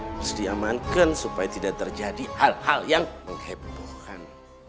harus diamankan supaya tidak terjadi hal hal yang menghebohkan